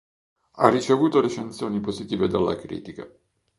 Ha ricevuto recensioni positive dalla critica.